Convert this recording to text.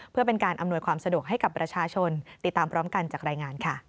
เพื่อเป็นการอำนวยความสะดวกให้กับประชาชน